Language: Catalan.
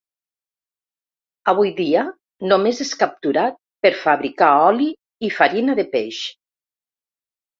Avui dia, només és capturat per fabricar oli i farina de peix.